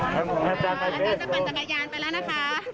สวัสดีท่านครับ๖๕๒๒๖๐๐๓๘